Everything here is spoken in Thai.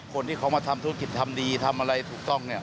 คนที่เขามาทำธุรกิจทำดีทำอะไรถูกต้องเนี่ย